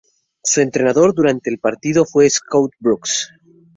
Su entrenador durante el partido fue Scott Brooks.